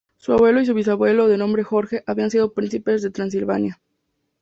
Su abuelo y su bisabuelo, de nombre Jorge, habían sido Príncipes de Transilvania.